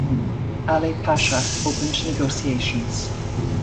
Ali Pasha opened negotiations.